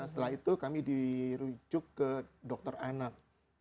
setelah itu kami dirujuk ke dokter anak